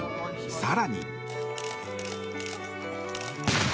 更に。